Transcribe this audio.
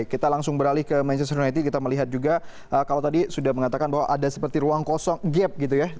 kita langsung beralih ke manchester united kita melihat juga kalau tadi sudah mengatakan bahwa ada seperti ruang kosong gap gitu ya